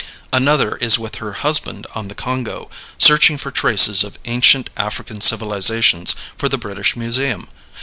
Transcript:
Another is with her husband on the Congo searching for traces of ancient African civilizations for the British Museum.